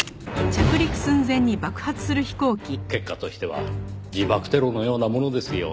結果としては自爆テロのようなものですよ。